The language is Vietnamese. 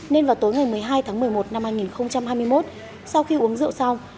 nên vào tối ngày một mươi hai tháng một mươi một năm hai nghìn hai mươi một sau khi uống rượu xong